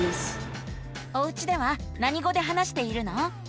おうちではなに語で話しているの？